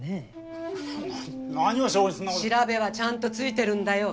調べはちゃんとついてるんだよ。